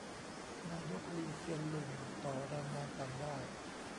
นายก ลี เซียนลุง ต่อแรงงานต่างด้าว